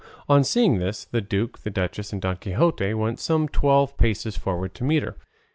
On seeing this the duke, the duchess, and Don Quixote went some twelve paces forward to meet her.